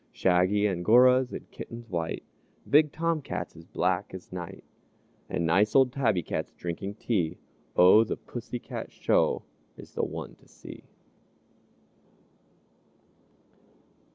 Shaggy Angoras and kittens white, Big Tom Cats as black as night, And nice old Tabby Cats drinking tea, Oh, the Pussy Cat Show is the one to see."